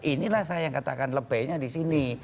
inilah saya yang katakan lebihnya di sini